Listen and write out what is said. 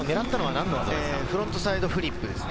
フロントサイドフリップです